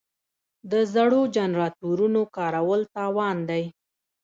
د زړو جنراتورونو کارول تاوان دی.